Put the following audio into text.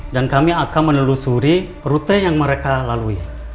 dan kami akan menelusuri rute yang mereka lalui